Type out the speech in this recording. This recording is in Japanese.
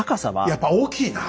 やっぱ大きいな。